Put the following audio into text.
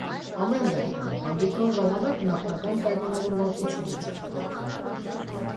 Ամեն դեպքում, հանդիպման ժամանակ նախնական պայմնավորվածություն է ձեռք բերվում։